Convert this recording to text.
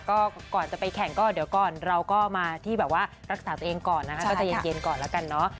ก็ก่อนจะไปแข่งก็เดี๋ยวก่อนเราก็มาที่แบบว่ารักษาตัวเองก่อนนะคะก็ใจเย็นก่อนแล้วกันเนาะ